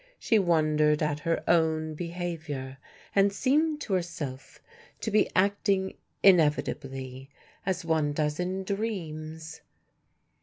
She wondered at her own behaviour, and seemed to herself to be acting inevitably, as one does in dreams.